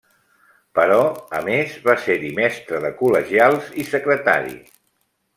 Però, a més, va ser-hi mestre de col·legials i secretari.